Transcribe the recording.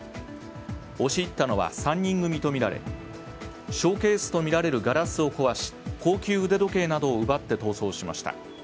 押し入ったのは３人組とみられショーケースとみられるガラスを壊し、高級腕時計などを奪って逃走しました。